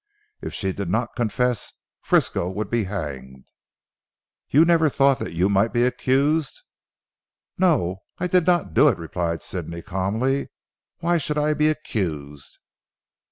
If she did not confess, Frisco would be hanged " "You never thought you might be accused?" "No. I did not do it," replied Sidney calmly, "why should I be accused?"